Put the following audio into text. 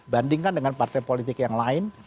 bandingkan dengan partai politik yang lain